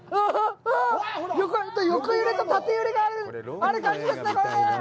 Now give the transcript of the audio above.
横揺れと縦揺れがある感じですね。